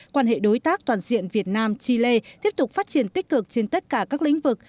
quan hệ đối tác toàn diện việt nam chile tiếp tục phát triển tích cực trên tất cả các lĩnh vực